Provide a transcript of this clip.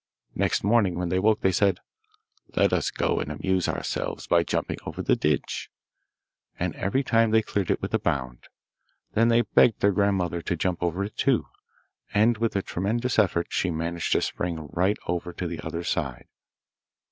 Next morning when they woke they said, 'Let us go and amuse ourselves by jumping over the ditch,' and every time they cleared it with a bound. Then they begged their grandmother to jump over it too, end with a tremendous effort she managed to spring right over to the other side.